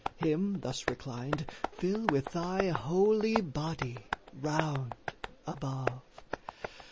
Him thus reclined Fill with thy holy body, round, above!